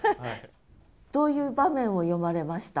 どういう場面を詠まれました？